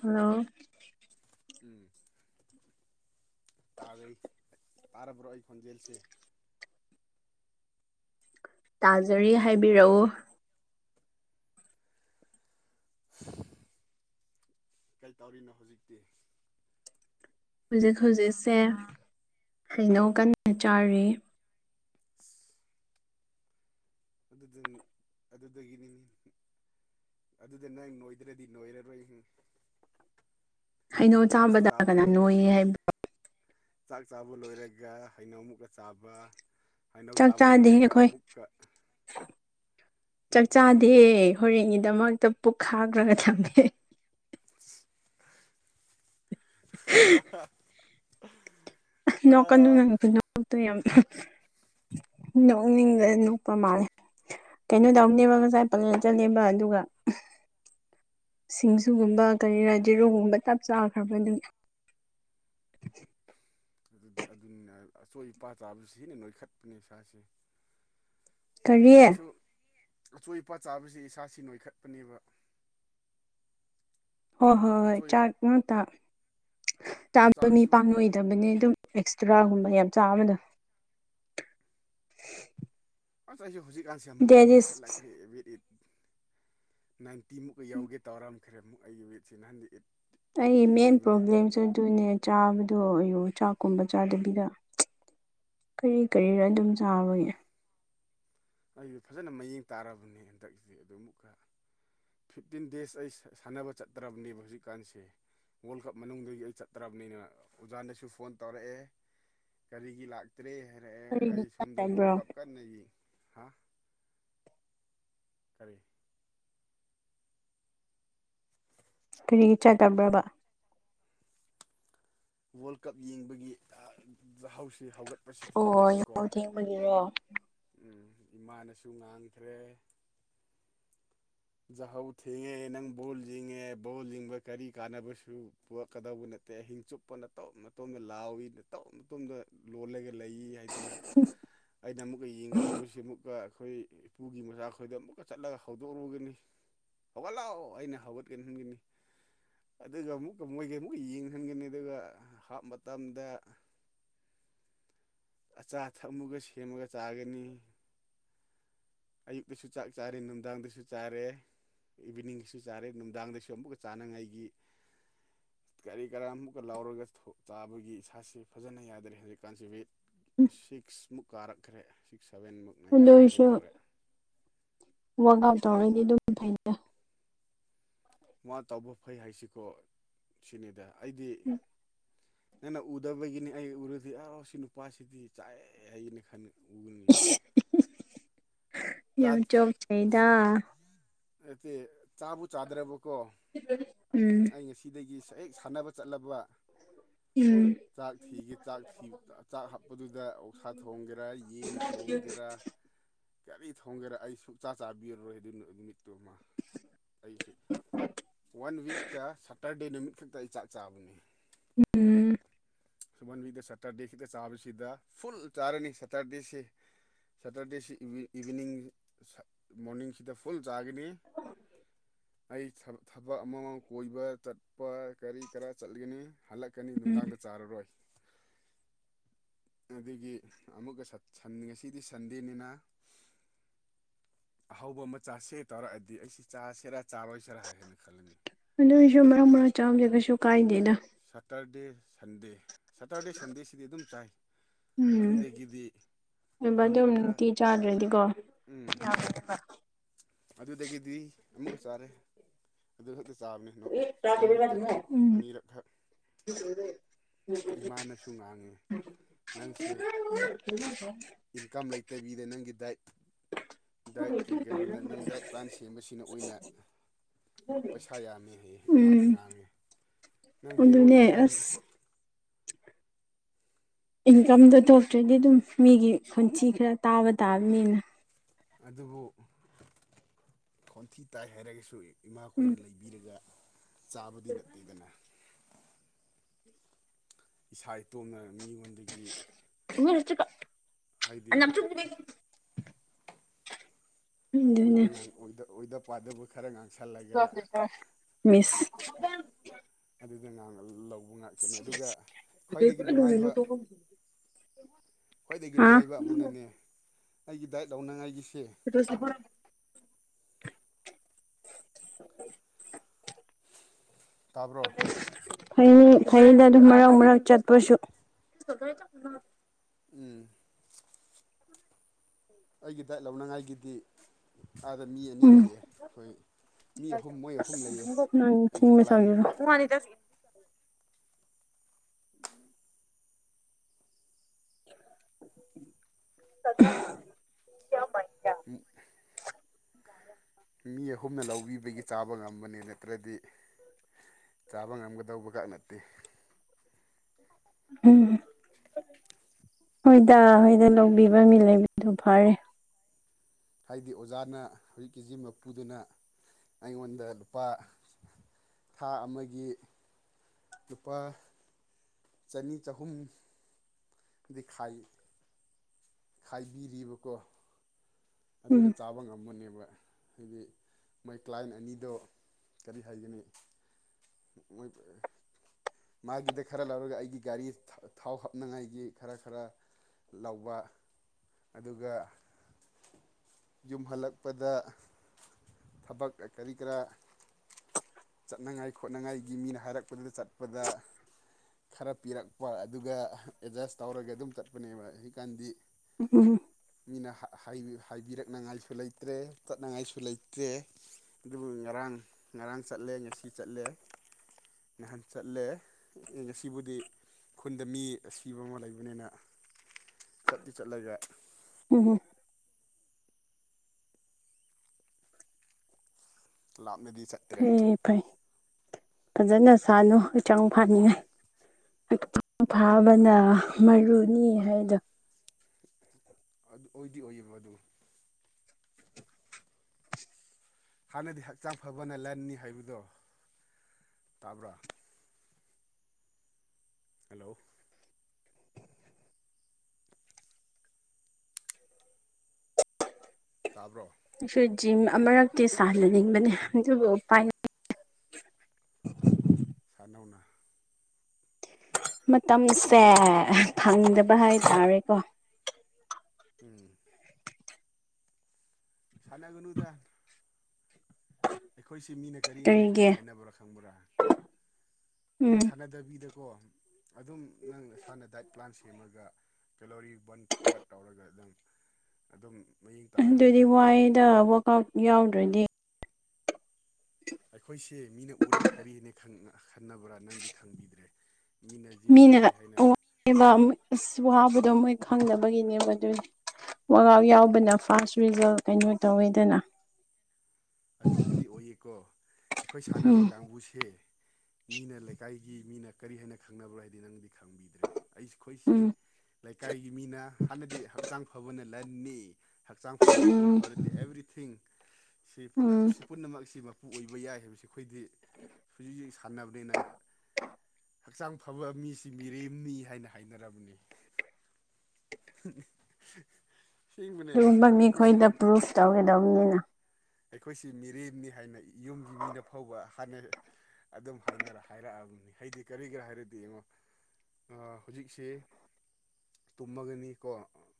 hello ꯎꯝ ꯇꯥꯒꯩ ꯇꯥꯔꯕ꯭ꯔꯣ ꯑꯩ ꯈꯣꯟꯖꯦꯜꯁꯦ ꯇꯥꯖꯔꯤ ꯍꯥꯏꯕꯤꯔꯧ [inaudible] ꯀꯩ ꯇꯧꯔꯤꯅꯣ ꯍꯧꯖꯤꯛꯇꯤ ꯍꯧꯖꯤꯛ ꯍꯧꯖꯤꯛꯁꯦ ꯍꯩꯅꯧ ꯀꯟꯅ ꯆꯥꯔꯤ [unintelligible] ꯑꯗꯨꯗꯤꯟ ꯑꯗꯨꯗꯒꯤꯅꯤꯅ‌ꯦ ꯑꯗꯨꯗ ꯅꯪ ꯅꯣꯏꯗ꯭ꯔꯗꯤ ꯅꯣꯏꯔꯔꯣꯏ ꯍꯩꯅꯧ ꯆꯥꯛꯁꯨ ꯆꯥꯕꯗ ꯆꯥꯕ ꯀꯅꯥ ꯂꯣꯏꯔꯕ ꯅꯣꯏꯌꯦ ꯍꯥꯏꯕ ꯆꯥꯛ ꯆꯥꯕ ꯂꯣꯏꯔꯒ ꯍꯩꯅꯧ ꯑꯃꯨꯛꯀ ꯆꯥꯕ ꯍꯩꯅꯧ ꯆꯥꯛ ꯆꯥꯕ ꯆꯥꯗꯦ ꯂꯣꯏꯔꯒ ꯑꯩꯈꯣꯏ ꯑꯃꯨꯛꯀ ꯆꯥꯛ ꯑꯣ ꯆꯥꯥꯗꯦ ꯐꯩꯅꯦ ꯑꯗꯨꯗꯤ ꯍꯣꯔꯦꯟꯒꯤꯗꯃꯛꯇ ꯄꯨꯛ ꯈꯥꯛꯔꯒ ꯊꯝꯃꯦ ꯍꯥ ꯍꯥ ꯅꯣꯛꯀꯅꯨ ꯅꯪ ꯈꯨꯅꯣꯛꯇꯣ ꯌꯥꯝ ꯅꯣꯛꯅꯤꯡꯗ ꯅꯣꯛꯄ ꯃꯥꯜꯂꯦ ꯀꯩꯅꯣꯗꯧ ꯅꯦꯕ ꯉꯁꯥꯏ ꯄꯂꯦꯟ ꯆꯠꯂꯦꯕ ꯑꯗꯨꯒ ꯁꯤꯡꯖꯨꯒꯨꯝꯕ ꯀꯔꯤꯔꯥ ꯌꯦꯔꯨꯒꯨꯝꯕ ꯆꯞ ꯆꯥꯈ꯭ꯔꯕ ꯑꯗꯨꯒꯤ ꯑꯗꯨꯗꯨ ꯑꯗꯨꯅꯤꯅ ꯑꯆꯣꯏ ꯑꯄꯥ ꯆꯥꯕ ꯁꯤꯅꯍꯦꯟꯅ ꯅꯣꯏꯈꯠꯄꯅꯦ ꯏꯁꯥꯁꯦ ꯀꯔꯤ ꯍꯧꯖꯤꯛꯀꯥꯟꯁꯨ ꯑꯆꯣꯏ ꯑꯄꯥ ꯆꯥꯕꯁꯤ ꯏꯁꯥꯁꯤ ꯅꯣꯏꯈꯠꯄꯅꯦꯕ ꯍꯣꯏ ꯍꯣꯏ ꯍꯣꯏ ꯑꯆꯣꯏ ꯆꯥꯛ ꯉꯥꯛꯇ ꯆꯥꯕ ꯃꯤ ꯆꯥꯛꯁꯨ ꯄꯥꯛ ꯅꯣꯏ ꯗꯕꯅꯤ ꯑꯗꯨꯝ ꯑꯦꯛꯁꯇ꯭ꯔꯥꯒꯨꯝꯕ ꯌꯥꯝ ꯆꯥꯕꯗꯣ ꯑꯁ ꯑꯩꯁꯦ ꯍꯧꯖꯤꯛꯀꯥꯟꯁꯦ ꯑꯃꯨꯛꯀ ꯗꯦꯠ ꯏꯁ ꯅꯣꯏꯈꯠꯂꯛꯈ꯭ꯔꯦ ꯑꯦꯕꯤꯠ ꯏꯠ ꯅꯥꯏꯟ ꯇꯤꯃꯨꯛꯀ ꯌꯧꯒꯦ ꯇꯧꯔꯝꯈ꯭ꯔꯦ ꯑꯃꯨꯛ ꯑꯩꯒꯤ ꯋꯦꯠꯁꯦ ꯅꯍꯥꯟꯗꯤ ꯏꯠ ꯑꯩ ꯃꯦꯟ ꯄꯔꯣꯕ꯭ꯂꯦꯝꯁꯨ ꯑꯗꯨꯅꯦ ꯆꯥꯕꯗꯣ ꯑꯣꯏꯔꯣ ꯆꯥꯛꯀꯨꯝꯕ ꯆꯥꯗꯕꯤꯗ ꯀꯔꯤ ꯀꯔꯤꯔꯥ ꯑꯗꯨꯝ ꯆꯥꯕꯒꯤ ꯑꯩꯖꯨ ꯐꯖꯅ ꯃꯌꯦꯡ ꯇꯥꯔꯕꯅꯦ ꯍꯟꯗꯛꯁꯤ ꯑꯗꯨ ꯑꯃꯨꯛꯀꯥ ꯐꯤꯞꯇꯤꯟ ꯗꯦꯖ ꯑꯩ ꯁꯥꯟꯅꯕ ꯆꯠꯇ꯭ꯔꯕꯅꯦꯕ ꯍꯧꯖꯤꯛꯀꯥꯟꯁꯦ ꯋꯥꯔꯜ ꯀꯞ ꯃꯅꯨꯡꯗꯒꯤ ꯑꯩ ꯆꯠꯇ꯭ꯔꯝꯅꯤꯅ ꯑꯣꯖꯥꯅꯁꯨ ꯐꯣꯟ ꯇꯧꯔꯛꯑꯦ ꯀꯔꯤꯒꯤ ꯂꯥꯛꯇ꯭ꯔꯦ ꯍꯥꯏꯔꯛꯑꯦ ꯀꯔꯤꯒꯤ ꯑꯩ ꯁꯣꯝꯗ ꯋꯥꯔꯜ ꯆꯠꯇꯕ꯭ꯔꯣ ꯀꯞ ꯀꯟꯅ ꯌꯦꯡ ꯍꯥ ꯀꯔꯤ ꯀꯔꯤꯒꯤ ꯆꯠꯇꯕ꯭ꯔꯥꯕ ꯋꯥꯔꯜ ꯀꯞ ꯌꯦꯡꯕꯒꯤ ꯌꯥꯍꯥꯎꯁꯤ ꯍꯧꯒꯠ ꯑꯣ ꯌꯥꯍꯧ ꯊꯦꯡꯕꯒꯤꯔꯣ ꯎꯝ ꯏꯃꯥꯅꯁꯨ ꯉꯥꯡꯈ꯭ꯔꯦ [inaudible] ꯖꯍꯧ ꯊꯦꯡꯉꯦ ꯅꯪ ꯕꯣꯜ ꯌꯦꯡꯉꯦ ꯕꯣꯜ ꯌꯦꯡꯕ ꯀꯔꯤ ꯀꯥꯟꯅꯕꯁꯨ ꯄꯨꯔꯛꯀꯗꯧꯕ ꯅꯠꯇꯦ ꯑꯍꯤꯡ ꯆꯨꯞꯄ ꯅꯇꯣꯝ ꯅꯇꯣꯝꯗ ꯂꯥꯎꯏ ꯅꯇꯣꯝ ꯅꯇꯣꯝꯗ ꯂꯣꯜꯂꯒ ꯂꯩ ꯍꯥꯏꯗꯅ ꯑꯩꯅ ꯑꯃꯨꯛꯀꯥ ꯌꯦꯡꯒꯗꯧꯕꯁꯤ ꯑꯃꯨꯛꯀ ꯑꯈꯣꯏ ꯄꯨꯨꯒꯤ ꯃꯆꯥꯈꯣꯏꯗꯣ ꯑꯃꯨꯛꯀꯥ ꯆꯠꯂꯒ ꯍꯧꯗꯣꯛꯂꯨꯒꯅꯤ ꯍꯧꯒꯠꯂꯣ ꯑꯩꯅ ꯍꯧꯒꯠꯀꯟꯍꯟꯒꯅꯤ ꯑꯗꯨꯒ ꯑꯃꯨꯛꯀ ꯃꯣꯏꯒ ꯑꯃꯨꯛ ꯌꯦꯡꯍꯟꯒꯅꯤ ꯑꯗꯨꯒ ꯍꯥꯞ ꯃꯇꯝꯗ ꯑꯆꯥ ꯑꯊꯛ ꯑꯃꯨꯛꯀꯥ ꯁꯦꯝꯃꯒ ꯆꯥꯒꯅꯤ ꯑꯌꯨꯛꯇꯁꯨ ꯆꯥꯛ ꯆꯥꯔꯦ ꯅꯨꯡꯗꯥꯡꯗꯁꯨ ꯆꯥꯔꯦ ꯏꯚꯤꯅꯤꯡꯒꯤꯁꯨ ꯆꯥꯔꯦ ꯅꯨꯡꯗꯥꯡꯗꯁꯨ ꯑꯃꯨꯛꯀ ꯆꯥꯅꯉꯥꯏꯒꯤ ꯀꯔꯤ ꯀꯔꯥ ꯑꯃꯨꯛꯀ ꯂꯥꯎꯔꯒ ꯆꯥꯕꯒꯤ ꯏꯁꯥꯁꯤ ꯐꯖꯅ ꯌꯥꯗ꯭ꯔꯦ ꯍꯧꯖꯤꯛꯀꯥꯟꯁꯦ ꯋꯦꯠ ꯎꯝ ꯁꯤꯛꯁꯃꯨꯛ ꯀꯥꯔꯛꯈ꯭ꯔꯦ ꯁꯤꯛꯁ ꯁꯚꯦꯟꯃꯨꯛ ꯅꯥꯏꯟꯇꯤ ꯌꯧꯒꯦ ꯑꯗꯣꯏꯁꯨ ꯇꯧꯔꯦ ꯋꯥꯛ ꯑꯥꯎꯠ ꯇꯧꯔꯗꯤ ꯑꯗꯨꯝ [unintelligible] ꯃꯥ ꯇꯧꯕ ꯐꯩ ꯍꯥꯏꯁꯤꯀꯣ ꯁꯤꯅꯤꯗ ꯑꯩꯗꯤ ꯅꯪꯅ ꯎꯗꯕꯒꯤꯅꯤ ꯑꯩ ꯎꯔꯗꯤ ꯁꯤ ꯅꯨꯄꯥꯁꯤꯗꯤ ꯆꯥꯏꯑꯦ ꯍꯥꯏꯒꯅꯤ ꯈꯟ ꯎꯒꯅꯤ ꯏꯁ ꯆꯥ ꯌꯥꯝ ꯆꯣꯞꯆꯩꯗ ꯑꯁ ꯅꯠꯇꯦ ꯆꯥꯕꯨ ꯆꯥꯗ꯭ꯔꯕꯀꯣ ꯎꯝ ꯑꯩ ꯉꯁꯤꯗꯒꯤ ꯍꯦꯛ ꯁꯥꯟꯅꯕ ꯆꯠꯂꯕ ꯎꯝ ꯆꯥꯛ ꯊꯤꯒꯦ ꯆꯥꯛ ꯊꯤꯕ ꯆꯥꯛ ꯍꯥꯞꯄꯗꯨꯗ ꯑꯣꯛꯁꯥ ꯊꯣꯡꯒꯦꯔꯥ ꯌꯦꯟ ꯊꯣꯡꯒꯦꯔꯥ ꯀꯔꯤ ꯊꯣꯡꯒꯦꯔꯥ ꯑꯩ ꯁꯨꯛꯆꯥ ꯆꯥꯕꯤꯔꯔꯣꯏ ꯑꯗꯨꯏ ꯅꯨꯃꯤꯠꯇꯨꯃꯥ ꯑꯩꯁꯤ ꯋꯥꯟ ꯋꯤꯛꯇ ꯁꯠꯇꯔꯗꯦ ꯅꯨꯃꯤꯠ ꯈꯛꯇ ꯑꯩ ꯆꯥꯛ ꯆꯥꯕꯅꯤ ꯎꯝ ꯁꯨꯃꯟ ꯋꯤꯛꯇ ꯁꯇꯔꯗꯦ ꯈꯤꯛꯇ ꯆꯥꯕꯁꯤꯗ ꯐꯨꯜ ꯆꯥꯔꯅꯤ ꯁꯇꯔꯗꯦꯁꯦ ꯁꯇꯔꯗꯦꯁꯤ ꯏꯚꯤ ꯏꯚꯤꯅꯤꯡ ꯃꯣꯔꯅꯤꯡꯁꯤꯗ ꯐꯨꯜ ꯆꯥꯒꯅꯤ ꯑꯩ ꯊ ꯊꯕꯛ ꯑꯃꯃꯝ ꯀꯣꯏꯕ ꯆꯠꯄ ꯀꯔꯤ ꯀꯔꯥ ꯆꯠꯂꯤꯅꯦ ꯍꯜꯂꯛ ꯀꯅꯤ ꯎꯝ ꯅꯨꯡꯗꯥꯡꯗ ꯆꯥꯔꯔꯣꯏ ꯑꯗꯨꯒꯤ ꯑꯃꯨꯛꯀ [unintelligible] ꯉꯁꯤꯗꯤ ꯁꯟꯗꯦꯅꯤꯅ ꯑꯍꯥꯎꯕ ꯑꯃ ꯆꯥꯥꯁꯦ ꯇꯧꯔꯑꯗꯤ ꯑꯩꯁꯤ ꯆꯥꯥꯁꯤꯔ ꯆꯥꯔꯣꯏꯁꯤꯔ ꯍꯥꯏꯅ ꯈꯜꯂꯤꯅꯤ ꯑꯗꯣꯏꯁꯨ ꯃꯔꯛ ꯃꯔꯛ ꯆꯥꯕꯗꯤ ꯀꯩꯁꯨ ꯀꯥꯏꯗꯦꯗ ꯁꯇꯔꯗꯦ ꯁꯟꯗꯦ ꯁꯇꯔꯗꯦ ꯁꯟꯗꯦꯁꯤꯗꯤ ꯑꯗꯨꯝ ꯆꯥꯏ ꯎꯝ ꯑꯗꯨꯗꯒꯤꯗꯤ ꯑꯗꯨꯝ ꯑꯗꯨꯝ ꯑꯃꯨꯛꯀ ꯅꯨꯡꯇꯤ ꯆꯥꯗ꯭ꯔꯗꯤꯀꯣ ꯎꯝ ꯑꯗꯨꯗꯒꯤꯗꯤ ꯑꯃꯨꯛꯀ ꯆꯥꯔꯦ ꯑꯗꯨ ꯈꯛꯇ ꯆꯥꯕꯅꯦ [unintelligible] ꯋꯥꯟ ꯋꯤꯛꯇ ꯇꯨ ꯎꯝ ꯑꯅꯤꯔꯛꯈꯛ [unintelligible] ꯏꯃꯥꯅꯁꯨ ꯉꯥꯡꯉꯦ ꯅꯪꯁꯦ [unintelligible] ꯏꯟꯀꯝ ꯂꯩꯇꯕꯤꯗ ꯅꯪꯒꯤ ꯗꯥꯏꯠ ꯗꯥꯏꯠꯀꯤ ꯀꯩꯅꯣꯅ ꯅꯪ ꯗꯥꯏꯠ ꯄ꯭ꯂꯥꯟ ꯁꯦꯝꯕꯁꯤꯅ ꯑꯣꯏꯅ ꯄꯩꯁꯥ ꯌꯥꯝꯃꯦ ꯍꯩꯌꯦ ꯏꯃꯥꯅ ꯎꯝ ꯉꯥꯡꯉꯦ ꯅꯪ ꯖꯦꯔꯣ ꯑꯗꯨꯅꯦ ꯏꯟꯀꯝ ꯑꯁ ꯏꯟꯀꯝꯗꯣ ꯊꯣꯛꯇ꯭ꯔꯗꯤ ꯑꯗꯨꯝ ꯃꯤꯒꯤ ꯈꯣꯟꯊꯤ ꯈꯔ ꯇꯥꯕ ꯇꯥꯕꯅꯤꯅ ꯑꯗꯨꯕꯨ ꯈꯣꯟꯊꯤ ꯇꯥꯏ ꯍꯥꯏꯔꯒꯁꯨ ꯎꯝ ꯏꯃꯥꯈꯣꯏꯅ ꯂꯩ ꯕꯤꯔꯒ ꯆꯥꯕꯗꯤ ꯅꯠꯇꯦꯗꯅ ꯏꯁꯥ ꯏꯇꯣꯝꯅ ꯃꯤꯉꯣꯟꯗꯒꯤ ꯍꯥꯏꯗꯤ [unintelligible] ꯑꯣꯏꯗ ꯉꯥꯡ ꯑꯣꯏꯗ ꯑꯣꯏꯗ ꯄꯥꯗꯕ ꯈꯔ ꯉꯥꯡ [unintelligible] ꯃꯤꯁ ꯑꯗꯨꯗ ꯉꯥꯡꯅ ꯂꯧꯕ ꯉꯥꯛꯇꯅꯤ ꯑꯗꯨꯒ ꯈ꯭ꯋꯥꯏꯗꯒꯤ ꯅꯨꯡꯉꯥꯏꯕ ꯈ꯭ꯋꯥꯏꯗꯒꯤ ꯍꯥ ꯅꯨꯡꯉꯥꯏꯕ ꯑꯃꯅꯅꯦ ꯑꯩꯒꯤ ꯗꯥꯏꯠ ꯂꯧꯅꯉꯥꯏꯒꯤꯁꯦ [unintelligible] [inaudible] ꯇꯥꯕ꯭ꯔꯣ ꯐꯩꯌꯦ ꯐꯩꯌꯦꯗ ꯑꯗꯨꯝ ꯃꯔꯛ ꯃꯔꯛ ꯆꯠꯄꯁꯨ [unintelligible] ꯎꯝ ꯑꯩꯒꯤ ꯗꯥꯏꯠ ꯂꯧꯅꯉꯥꯏꯒꯤꯗꯤ ꯑꯥꯗ ꯃꯤ ꯑꯅꯤ ꯎꯝ ꯂꯩꯌꯦ ꯑꯩꯈꯣꯏ ꯃꯤ ꯑꯍꯨꯝ ꯃꯣꯏ ꯑꯍꯨꯝ ꯂꯩꯌꯦ ꯅꯪ ꯑꯩꯒꯤ ꯊꯤꯡꯕ ꯀ꯭ꯂꯥꯏꯟ ꯁꯥꯕꯤꯔꯣ [unintelligible] [unintelligible] ꯃꯤ ꯑꯍꯨꯝꯅ ꯂꯧꯕꯤꯕꯒꯤ ꯆꯥꯕ ꯉꯝꯕꯅꯦ ꯅꯠꯇ꯭ꯔꯗꯤ ꯀꯥꯕ ꯉꯝꯒꯗꯧꯕꯒ ꯅꯠꯇꯦ ꯎꯝ ꯍꯣꯏꯗ ꯍꯣꯏꯗ ꯂꯧꯕꯤꯕ ꯃꯤ ꯂꯩꯕꯗꯣ ꯐꯩ ꯍꯥꯏꯗꯤ ꯑꯣꯖꯥꯅ ꯍꯧꯖꯤꯛꯀꯤ ꯖꯤꯝ ꯃꯄꯨꯗꯨꯅ ꯑꯩꯉꯣꯟꯗ ꯂꯨꯄꯥ ꯊꯥ ꯑꯃꯒꯤ ꯂꯨꯄꯥ ꯆꯅꯤ ꯆꯍꯨꯝ ꯗꯤ ꯈꯥꯏ ꯈꯥꯏꯕꯤꯔꯤꯕꯀꯣ ꯎꯝ ꯑꯗꯨꯅ ꯆꯥꯕ ꯉꯝꯕꯅꯦꯕ ꯍꯥꯏꯗꯤ ꯃꯥꯏ ꯀ꯭ꯂꯥꯏꯟ ꯑꯅꯤꯗꯣ ꯀꯔꯤ ꯍꯥꯏꯒꯅꯤ [unintelligible] ꯃꯥꯒꯤꯗ ꯈꯔ ꯂꯧꯔꯒ ꯑꯩꯒꯤ ꯒꯥꯔꯤ ꯊꯥ ꯊꯥꯎ ꯍꯥꯞꯅꯉꯥꯏꯒꯤ ꯈꯔ ꯈꯔ ꯂꯧꯕ ꯑꯗꯨꯒ ꯌꯨꯝ ꯍꯜꯂꯛꯄꯗ ꯊꯕꯛ ꯀꯔꯤ ꯀꯔꯥ ꯆꯠꯅ ꯈꯣꯠꯅꯉꯥꯏꯒꯤ ꯃꯤꯅ ꯍꯥꯏꯔꯛꯄꯗꯨꯗ ꯆꯠꯄꯗ ꯈꯔ ꯄꯤꯔꯛꯄ ꯑꯗꯨꯒ ꯑꯦꯠꯖꯁ ꯇꯧꯔꯒ ꯑꯗꯨꯝ ꯆꯠꯄꯅꯦꯕ ꯍꯧꯖꯤꯛꯀꯥꯟꯗꯤ [unintelligible] ꯃꯤꯅ ꯍꯥꯏ ꯍꯥꯏꯕꯤ ꯍꯥꯏꯕꯤꯔꯛꯅꯉꯥꯏꯁꯨ ꯂꯩꯇ꯭ꯔꯦ ꯆꯠꯅꯉꯥꯏꯁꯨ ꯂꯩꯇ꯭ꯔꯦ ꯑꯗꯨꯕꯨ ꯉꯔꯥꯡ ꯉꯔꯥꯡ ꯆꯠꯂꯦ ꯉꯁꯤ ꯆꯠꯂꯦ ꯅꯍꯥꯟ ꯆꯠꯂꯦ ꯑꯦ ꯉꯁꯤꯕꯨꯗꯤ ꯈꯨꯟꯗ ꯃꯤ ꯑꯁꯤꯕ ꯑꯃ ꯂꯩꯕꯅꯤꯅ ꯆꯠꯇꯤ ꯆꯠꯂꯒ ꯎꯝ ꯍꯨꯝ ꯂꯥꯞꯅꯗꯤ ꯆꯠ ꯐꯩꯌꯦ ꯐꯩ ꯐꯖꯅ ꯁꯥꯅꯧ ꯍꯛꯆꯥꯡ ꯐꯥꯅꯤꯡꯉꯥꯏ ꯍꯛꯆꯥꯡ ꯐꯥꯕꯅ ꯃꯔꯨꯅꯤ ꯍꯥꯏꯗꯣ ꯑꯗꯨ ꯑꯣꯏꯗꯤ ꯑꯣꯏꯌꯦꯕ ꯑꯗꯨ ꯍꯥꯟꯅꯗꯤ ꯍꯛꯆꯥꯡ ꯐꯕꯅ ꯂꯟꯅꯤ ꯍꯥꯏꯕꯗꯣ ꯇꯥꯕ꯭ꯔꯥ ꯍꯜꯂꯣ ꯇꯥꯕ꯭ꯔꯣ ꯑꯩꯁꯨ ꯖꯤꯝ ꯑꯃꯔꯛꯇꯤ ꯁꯥꯟꯅꯅꯤꯡꯕꯅꯦ ꯑꯗꯨꯕꯨ ꯎꯄꯥꯏ [inaudible] ꯁꯥꯟꯅꯧꯅ ꯃꯇꯝꯁꯦ ꯅꯣꯏ ꯐꯪꯗꯕ ꯍꯥꯏꯇꯥꯔꯦꯀꯣ ꯎꯝ ꯁꯥꯟꯅꯒꯅꯨꯗ ꯑꯩꯈꯣꯏꯁꯤ ꯃꯤꯅ ꯀꯔꯤ ꯍꯥꯏꯅ ꯀꯔꯤꯒꯤ ꯍꯥꯏꯅꯕ꯭ꯔꯥ ꯈꯪꯕ꯭ꯔꯥ ꯎꯝ ꯅꯪ ꯁꯥꯟꯅꯗꯕꯤꯗ ꯀꯣ ꯑꯗꯨꯝ ꯅꯪ ꯅꯁꯥꯅ ꯗꯥꯏꯠ ꯄ꯭ꯂꯥꯟ ꯁꯦꯝꯃꯒ ꯀꯦꯂꯣꯔꯤ ꯕꯟ ꯀꯠ ꯇꯧꯔꯒ ꯑꯗꯨꯝ ꯑꯗꯨꯝ ꯃꯌꯦꯡ ꯇꯥꯍꯟꯕ ꯑꯗꯨꯗꯤ ꯌꯥꯏꯕ ꯋꯥꯏꯌꯦꯗ ꯋꯥꯔ ꯀꯥꯎꯠ ꯌꯥꯎꯗ꯭ꯔꯗꯤ ꯑꯈꯣꯏꯁꯤ ꯃꯤꯅ ꯎꯔꯒ ꯀꯔꯤꯅꯤ ꯈꯟ ꯈꯟꯅꯕ꯭ꯔꯥ ꯅꯪꯗꯤ ꯈꯪꯕꯤꯗ꯭ꯔꯦ ꯃꯤꯅ ꯖꯤꯝ ꯃꯤꯅ ꯁꯥꯟꯅꯩ ꯍꯥꯏꯅ [unintelligible] ꯏꯁ ꯋꯥꯕꯗꯣ ꯃꯣꯏ ꯈꯪꯗꯕꯒꯤꯅꯦꯕ ꯑꯗꯨꯅꯤ ꯋꯥꯛ ꯀꯥꯎꯠ ꯌꯥꯎꯗꯅ ꯐꯥꯁ ꯔꯤꯖꯜ ꯀꯩꯅꯣ ꯇꯧꯋꯦꯗꯅ ꯑꯗꯨꯕꯨꯗꯤ ꯑꯣꯏꯌꯦꯀꯣ ꯑꯩꯈꯣꯏ ꯁꯥꯟꯅꯕ ꯎꯝ ꯀꯥꯡꯕꯨꯁꯦ ꯃꯤꯅ ꯂꯩꯀꯥꯏꯒꯤ ꯃꯤꯅ ꯀꯔꯤ ꯍꯥꯏꯅ ꯈꯪꯅꯕ꯭ꯔꯥ ꯍꯥꯏꯗꯤ ꯅꯪꯗꯤ ꯈꯪꯕꯤꯗ꯭ꯔꯦ ꯑꯩꯈꯣꯏꯁꯤ ꯎꯝ ꯂꯩꯀꯥꯏꯒꯤ ꯃꯤꯅ ꯍꯥꯟꯅꯗꯤ ꯍꯛꯆꯥꯡ ꯐꯕꯅ ꯂꯟꯅꯤ ꯍꯛꯆꯥꯡ ꯐꯕꯕꯨ ꯎꯝ ꯐꯔꯗꯤ ꯑꯦꯕ꯭ꯔꯤꯊꯤꯡ ꯁꯤ ꯄꯨꯂꯞ ꯎꯝ ꯁꯤ ꯄꯨꯝꯅꯃꯛꯁꯤ ꯃꯄꯨ ꯑꯣꯏꯕ ꯌꯥꯏ ꯍꯥꯏꯕꯁꯤ ꯑꯈꯣꯏꯗꯤ ꯍꯧꯖꯤꯛ ꯍꯧꯖꯤꯛ ꯁꯥꯟꯅꯕꯅꯤꯅ ꯍꯛꯆꯥꯡ ꯐꯕ ꯃꯤꯁꯤ ꯃꯤꯔꯦꯝꯅꯤ ꯍꯥꯏꯅ ꯍꯥꯏꯅꯔꯝꯅꯤ [unintelligible] ꯑꯗꯨꯒꯨꯝꯕ ꯑꯩꯈꯣꯏꯁꯤ ꯃꯤꯈꯣꯏꯗ ꯄ꯭ꯔꯨꯐ ꯇꯧꯒꯗꯕꯅꯤꯅ ꯑꯈꯣꯏꯁꯤ ꯃꯤꯔꯦꯝꯅꯤ ꯍꯥꯏꯅ ꯌꯨꯝꯒꯤ ꯃꯤꯅ ꯐꯥꯎꯕ ꯍꯥꯏꯅꯩ ꯑꯗꯨꯝ ꯍꯥꯏꯅ ꯍꯥꯏꯔꯛꯑꯕꯅꯤ ꯍꯥꯏꯗꯤ ꯀꯔꯤꯒꯤꯔꯥ ꯍꯥꯏꯔꯗꯤ ꯌꯦꯡꯉꯣ ꯑꯥ ꯍꯧꯖꯤꯛꯁꯤ ꯇꯨꯝꯃꯒꯅꯤꯀꯣ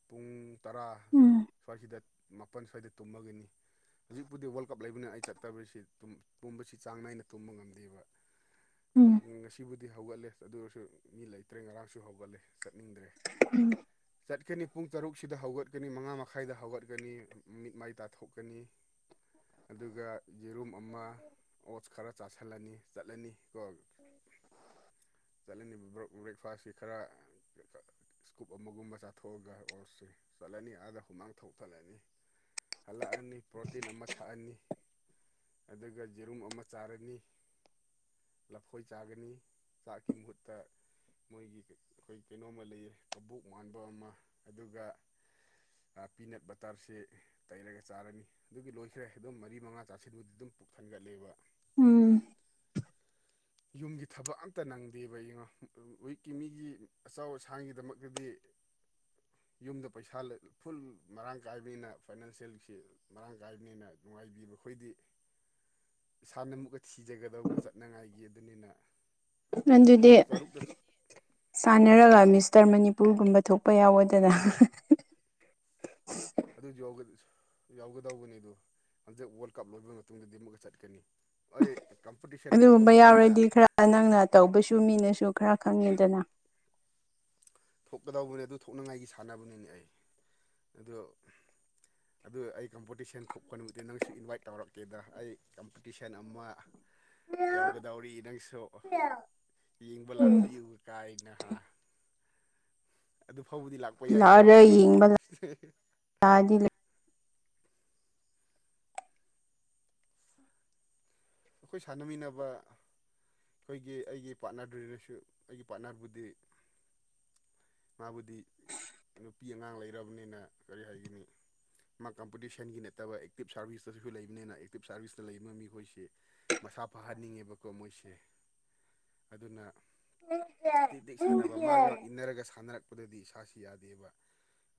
ꯄꯨꯡ ꯇꯔꯥ ꯎꯝ ꯁ꯭ꯋꯥꯏꯁꯤꯗ ꯃꯥꯄꯟ ꯁ꯭ꯋꯥꯏꯗ ꯇꯨꯝꯃꯒꯅꯤ ꯍꯨꯖꯤꯛꯄꯨꯗꯤ ꯋꯥꯔꯜ ꯀꯞ ꯂꯩꯕꯅꯦ ꯑꯩ ꯆꯠꯇꯕꯔꯁꯤ ꯇꯨꯝ ꯄꯨꯝꯕꯁꯤ ꯆꯥꯡ ꯅꯥꯏꯅ ꯇꯨꯝꯕ ꯉꯝꯗꯦꯕ ꯎꯝ ꯉꯁꯤꯕꯨꯗꯤ ꯍꯧꯒꯠꯂꯦ ꯑꯗꯨ ꯑꯣꯏꯔꯁꯨ ꯃꯤ ꯂꯩꯇ꯭ꯔꯦ ꯉꯔꯥꯡꯁꯨ ꯍꯧꯒꯠꯂꯦ ꯆꯠꯅꯤꯡꯗ꯭ꯔꯦ ꯎꯝ ꯆꯠꯀꯅꯤ ꯄꯨꯡ ꯇꯔꯨꯛꯁꯤꯗ ꯍꯧꯒꯠꯀꯅꯤ ꯃꯉꯥ ꯃꯈꯥꯏꯗ ꯍꯧꯒꯠꯀꯅꯤ ꯃꯤꯠ ꯃꯥꯏ ꯇꯥꯊꯣꯛꯀꯅꯤ ꯑꯗꯨꯒ ꯌꯦꯔꯨꯝ ꯑꯃ ꯑꯣꯠꯁ ꯈꯔ ꯆꯥꯁꯜꯂꯅꯤ ꯆꯠꯂꯅꯤꯒꯣ ꯆꯠꯂꯅꯤꯕ ꯕ꯭ꯔ ꯕ꯭ꯔꯦꯛꯐꯥꯁꯀꯤ ꯈꯔ ꯁꯀ꯭ꯨꯞ ꯑꯃꯒꯨꯝꯕ ꯆꯥꯊꯣꯛꯑꯒ ꯑꯣꯔꯁꯤ ꯆꯠꯂꯅꯤ ꯑꯥꯗ ꯍꯨꯃꯥꯡ ꯊꯧ ꯊꯠꯂꯅꯤ ꯍꯜꯂꯛꯑꯅꯤ ꯄꯔꯣꯠ ꯇꯤꯟ ꯑꯃ ꯊꯛꯑꯅꯤ ꯑꯗꯨꯒ ꯖꯦꯔꯨꯝ ꯑꯃ ꯆꯥꯔꯅꯤ ꯂꯐꯣꯏ ꯆꯥꯒꯅꯤ ꯆꯥꯛꯀꯤ ꯃꯍꯨꯠꯇ ꯃꯣꯏꯒꯤ ꯑꯈꯣꯏ ꯀꯩꯅꯣꯝꯃ ꯂꯩꯌꯦ ꯀꯕꯣꯛ ꯃꯥꯟꯕ ꯑꯃ ꯑꯗꯨꯒ ꯑꯥ ꯄꯤꯅꯠ ꯕꯇꯔꯁꯤ ꯇꯩꯔꯒ ꯆꯥꯔꯅꯤ ꯑꯗꯨꯒꯤ ꯂꯣꯏꯈ꯭ꯔꯦ ꯑꯗꯨꯝ ꯃꯔꯤ ꯃꯉꯥ ꯆꯥꯁꯤꯟꯕꯨꯗꯤ ꯗꯨꯝ ꯄꯨꯛ ꯊꯟꯒꯠꯂꯦꯕ ꯎꯝ ꯌꯨꯝꯒꯤ ꯊꯕꯛ ꯑꯝꯇ ꯅꯪꯗꯦꯕ ꯌꯦꯡꯉꯣ ꯋꯤꯛꯀꯤ ꯃꯤꯒꯤ ꯑꯆꯧ ꯑꯁꯥꯡꯒꯤꯗꯃꯛꯇꯗꯤ [inaudible] ꯌꯨꯝꯗ ꯄꯩꯁꯥ ꯂ ꯐꯨꯜ ꯃꯔꯥꯡ ꯀꯥꯏꯕꯅꯤꯅ ꯐꯥꯏꯅꯥꯟꯁꯦꯜꯁꯤ ꯃꯔꯥꯡ ꯀꯥꯏꯕꯅꯤꯅ ꯅꯨꯡꯉꯥꯏꯕꯤꯕ ꯈꯣꯏꯗꯤ ꯏꯁꯥꯅ ꯑꯃꯨꯛꯀ ꯊꯤꯖꯒꯗꯧꯕ ꯆꯠꯅꯉꯥꯏꯒꯤ ꯑꯗꯨꯅꯤꯅ ꯑꯗꯨꯗꯤ ꯄꯨꯡ ꯇꯔꯨꯛꯇ ꯁꯥꯟꯅꯔꯒ ꯃꯤꯁꯇꯔ ꯃꯅꯤꯄꯨꯔꯒꯨꯝꯕ ꯊꯣꯛꯄ ꯌꯥꯎꯋꯣꯗꯅ ꯑꯗꯨꯖ ꯌꯥꯎꯒ ꯌꯥꯎꯒꯗꯧꯕꯅꯤꯗꯨ ꯍꯟꯗꯛ ꯋꯥꯔꯜ ꯀꯞ ꯂꯣꯏꯕ ꯃꯇꯨꯡꯗꯗꯤ ꯑꯃꯨꯛꯀ ꯆꯠꯀꯅꯤ ꯑꯩ ꯀꯝꯄꯇꯤꯁꯟ ꯊꯣꯛꯄ ꯑꯗꯨꯒꯨꯝꯕ ꯃꯇꯝꯗ ꯌꯥꯎꯔꯗꯤ ꯈꯔ ꯅꯪꯅ ꯇꯧꯕꯁꯨ ꯃꯤꯅꯁꯨ ꯈꯔ ꯈꯪꯉꯦꯗꯅꯥ ꯊꯣꯛꯀꯗꯧꯕꯅꯦ ꯑꯗꯨ ꯊꯣꯛꯅꯤꯡꯉꯥꯏꯒꯤ ꯁꯥꯟꯅꯕꯅꯤꯅꯦ ꯑꯩ ꯑꯗꯨ [inaudible] ꯑꯗꯨ ꯑꯩ ꯀꯝꯄꯇꯤꯁꯟ ꯊꯣꯛꯄ ꯅꯨꯃꯤꯠꯇꯤ ꯅꯪꯁꯨ ꯏꯟꯚꯥꯏꯠ ꯇꯧꯔꯛꯀꯦꯗ ꯑꯩ ꯀꯝꯄꯤꯇꯤꯁꯟ ꯑꯃ [inaudible] ꯌꯥꯎꯒꯗꯧꯔꯤ ꯅꯪꯁꯨ ꯌꯦꯡꯕ ꯎꯝ ꯂꯥꯛꯄꯤꯌꯨ ꯀꯥꯏꯅ ꯍꯥ ꯑꯗꯨ ꯐꯥꯎꯕꯗꯤ ꯂꯥꯛꯄ ꯌꯥꯏꯀꯣ [unintelligible] ꯂꯩ ꯑꯈꯣꯏ ꯁꯥꯟꯅꯃꯤꯟꯅꯕ ꯈꯣꯏꯒꯤ ꯑꯩꯒꯤ ꯄꯥꯔꯠꯅꯔꯗꯨꯔꯁꯨ ꯑꯩꯒꯤ ꯄꯥꯔꯠꯅꯔꯕꯨꯗꯤ ꯃꯥꯕꯨꯗꯤ ꯅꯨꯄꯤ ꯑꯉꯥꯡ ꯂꯩꯔꯕꯅꯤꯅ ꯀꯔꯤ ꯍꯥꯏꯒꯅꯤ ꯃꯥ ꯀꯝꯄꯇꯤꯁꯟꯒꯤ ꯅꯠꯇꯕ ꯑꯦꯛꯇꯤꯞ ꯁꯥꯔꯚꯤꯁꯇꯁꯨ ꯂꯩꯕꯅꯤꯅ ꯑꯦꯛꯇꯤꯞ ꯁꯥꯔꯚꯤꯁꯇ ꯂꯩꯕ ꯃꯤꯈꯣꯏꯁꯤ ꯃꯁꯥ ꯐꯍꯟꯅꯤꯡꯉꯦꯕꯀꯣ ꯃꯣꯏꯁꯦ ꯑꯗꯨꯅ ꯇꯤꯛ ꯇꯤꯛ ꯁꯥꯟꯅꯕ ꯃꯥꯒ ꯏꯟꯅꯔꯒ ꯁꯥꯟꯅꯔꯛꯄꯗꯗꯤ ꯏꯁꯥꯁꯤ ꯌꯥꯗꯦꯕ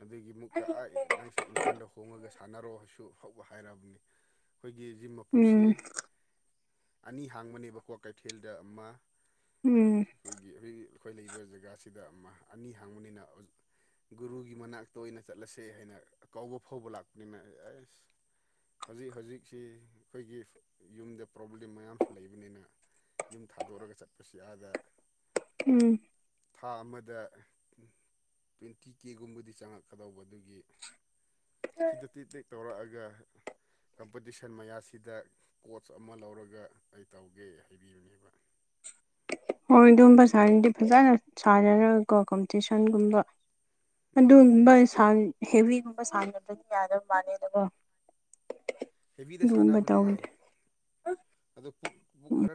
ꯑꯗꯨꯒꯤ ꯃꯨꯛꯀ ꯑꯥ ꯅꯪꯁꯦ ꯏꯝꯐꯥꯟꯗ ꯍꯣꯡꯉꯒ ꯁꯥꯟꯅꯔꯣꯁꯨ ꯐꯥꯎꯕ ꯍꯥꯏꯔꯕꯅꯤ ꯈꯣꯏꯒꯤ ꯖꯤꯝ ꯃꯄꯨꯁꯤ ꯎꯝ ꯑꯅꯤ ꯍꯥꯡꯕꯅꯦꯕ ꯀ꯭ꯋꯥꯀꯩꯊꯦꯜꯗ ꯑꯃ ꯎꯝ ꯈꯣꯏꯒꯤ ꯑꯩꯈꯣꯏꯒꯤ ꯑꯈꯣꯏ ꯂꯩꯕ ꯖꯒꯥꯁꯤꯗ ꯑꯃ ꯑꯅꯤ ꯍꯥꯡꯕꯅꯤꯅ ꯒꯨꯔꯨꯒꯤ ꯃꯅꯥꯛꯇ ꯑꯣꯏꯅ ꯆꯠꯂꯁꯦ ꯍꯥꯏꯅ ꯀꯧꯕ ꯐꯥꯎꯕ ꯂꯥꯛꯄꯅꯤꯅ ꯑꯦꯁ ꯍꯧꯖꯤꯛ ꯍꯧꯖꯤꯛꯁꯤ ꯑꯩꯈꯣꯏꯒꯤ ꯌꯨꯝꯗ ꯄ꯭ꯔꯣꯕ꯭ꯂꯦꯝ ꯃꯌꯥꯝꯁꯨ ꯂꯩꯕꯅꯤꯅ ꯌꯨꯝ ꯊꯥꯗꯣꯔꯒ ꯆꯠꯄꯁꯤ ꯑꯥꯗ ꯎꯝ ꯊꯥ ꯑꯃꯗ ꯇ꯭ꯋꯦꯟꯇꯤ ꯀꯦꯒꯨꯝꯕꯗꯤ ꯆꯪꯉꯛꯀꯗꯧꯕ ꯑꯗꯨꯒꯤ ꯁꯤꯗ ꯇꯤ ꯇꯦꯛ ꯇꯧꯔꯛꯑꯒ ꯀꯝꯄꯤꯇꯤꯁꯟ ꯃꯌꯥꯁꯤꯗ ꯀꯣꯁ ꯑꯃ ꯂꯧꯔꯒ ꯑꯩ ꯇꯧꯒꯦ ꯍꯥꯏꯕꯤꯕꯅꯦꯕ ꯍꯣꯏ ꯑꯗꯨꯝꯕ ꯁꯥꯅꯔꯗꯤ ꯐꯖꯅ ꯁꯥꯟꯅꯔꯒꯀꯣ ꯀꯝꯄꯤꯇꯤꯁꯟꯒꯨꯝꯕ ꯎꯝ ꯑꯗꯨꯝꯕ ꯁꯥꯟ ꯍꯦꯕꯤꯒꯨꯝꯕ ꯁꯥꯟꯅꯗ꯭ꯔꯗꯤ ꯌꯥꯗꯕ ꯃꯥꯥꯂꯦꯗꯀꯣ ꯍꯦꯕꯤꯗ ꯁꯥꯟꯅꯕꯅꯦ ꯑꯩ ꯑꯗꯣ ꯄꯨꯛ ꯄꯨꯛ ꯈꯔ